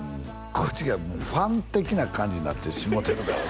こっちがファン的な感じになってしもうてるからな